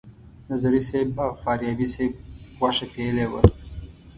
نظري صیب او فاریابي صیب غوښه پیلې وه.